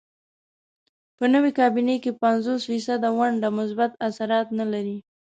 په نوې کابینې کې پنځوس فیصده ونډه مثبت اثرات نه لري.